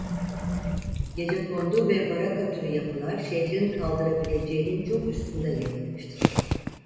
Gecekondu ve baraka türü yapılar şehrin kaldırabileceğinin çok üstünde yayılmıştır.